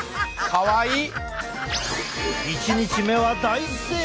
かわいい。